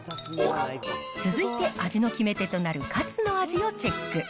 続いて味の決め手となるカツの味をチェック。